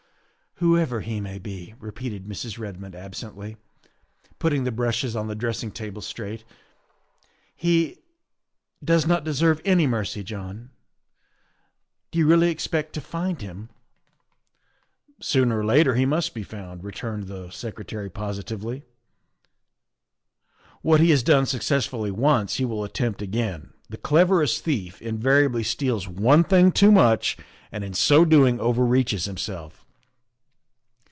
" "Whoever he may be," repeated Mrs. Redmond ab sently, putting the brushes on the dressing table straight, " he does not deserve any mercy, John. Do you really expect to find him ?''" Sooner or later he must be found," returned the 9 130 THE WIFE OF Secretary positively. " What he has done successfully once he will attempt again; the cleverest thief inva riably steals one thing too much and in so doing over reaches himelf."